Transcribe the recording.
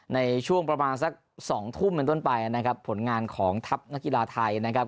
ในช่วงประมาณสักสองทุ่มเป็นต้นไปนะครับผลงานของทัพนักกีฬาไทยนะครับ